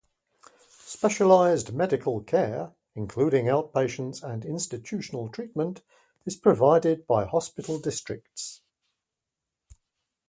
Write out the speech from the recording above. Specialized medical care, including outpatient and institutional treatment is provided by hospital districts.